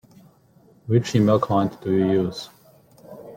Which email client do you use?